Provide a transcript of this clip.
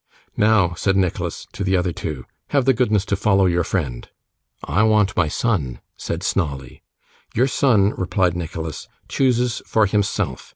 'Now,' said Nicholas to the other two, 'have the goodness to follow your friend.' 'I want my son,' said Snawley. 'Your son,' replied Nicholas, 'chooses for himself.